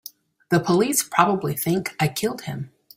The police probably think I killed him.